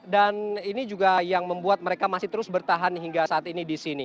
dan ini juga yang membuat mereka masih terus bertahan hingga saat ini di sini